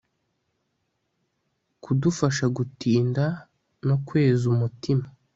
kudufasha gutinda no kwezutima